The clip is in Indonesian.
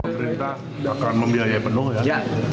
gerita akan membiayai penuh ya